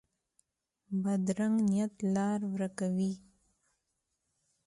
بدرنګه نیت لار ورکه وي